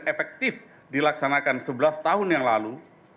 efektif dilaksanakan sebelas tahun yang lalu